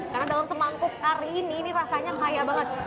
karena dalam semangkuk kari ini rasanya kaya banget